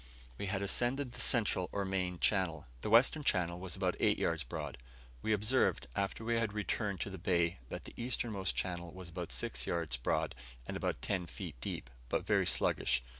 We had ascended the central, or main channel. The western channel was about eight yards broad. We observed, after we had returned to the bay, that the easternmost channel was about six yards broad, and about ten feet deep, but very sluggish.